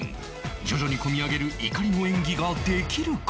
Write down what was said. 徐々に込み上げる怒りの演技ができるか？